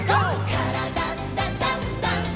「からだダンダンダン」